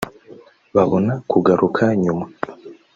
babona kugaruka nyuma